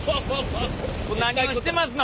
何をしてますの？